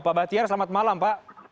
pak bahtiar selamat malam pak